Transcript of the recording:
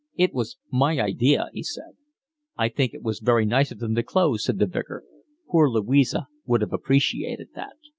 "It was my idea," he said. "I think it was very nice of them to close," said the Vicar. "Poor Louisa would have appreciated that."